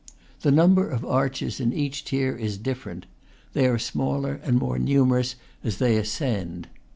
The number of arches in each tier is dif ferent; they are smaller and more numerous as they ascend.